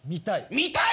見たい！？